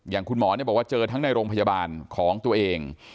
อย่างคุณหมอเนี่ยบอกว่าเจอทั้งในโรงพยาบาลของตัวเอง